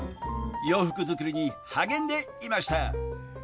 洋服作りに励んでいました。